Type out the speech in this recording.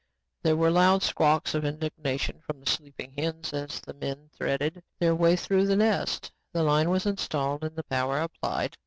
There were loud squawks of indignation from the sleeping hens as the men threaded their way through the nests. The line was installed and the power applied.